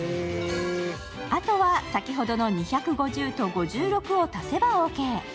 あとは先ほどの２５０と５６を足せばオーケー。